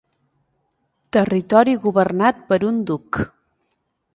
Territori governat per un duc.